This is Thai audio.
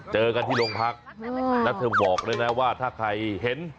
เจอกันที่โรงพักแล้วเธอบอกด้วยนะว่าถ้าใครเห็น